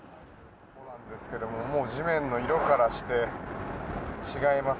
もう地面の色からして違います。